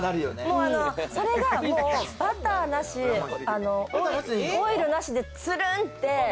それがバターなし、オイルなしで、ツルンって。